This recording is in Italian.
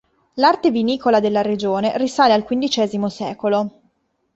L'arte vinicola della regione risale al quindicesimo secolo.